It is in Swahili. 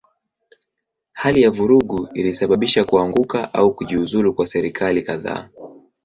Hali ya vurugu ilisababisha kuanguka au kujiuzulu kwa serikali kadhaa.